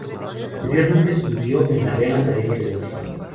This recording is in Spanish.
Posteriormente estudió en la Real Academia de Música.